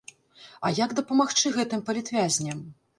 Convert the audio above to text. А як дапамагчы гэтым палітвязням?